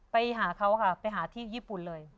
ไปหาเขาค่ะไปหาที่ญี่ปุ่นเลย